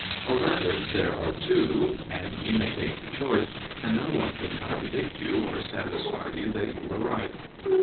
Or rather there are two, and you may take your choice, and no one can contradict you or satisfy you that you are right."